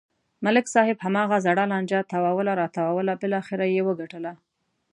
ملک صاحب هماغه زړه لانجه تاووله راتاووله بلاخره و یې گټله.